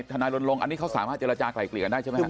นายรณรงค์อันนี้เขาสามารถเจรจากลายเกลี่ยกันได้ใช่ไหมครับ